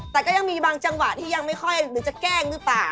แต่ก็ยังมีบางจังหวะที่ยังไม่ค่อยหรือจะแกล้งหรือเปล่า